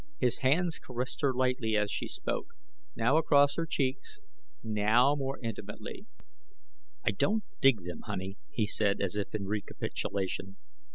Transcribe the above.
His hands caressed her lightly as she spoke, now across her cheeks, now more intimately. "... I don't dig them, Honey," he said, as if in recapitulation.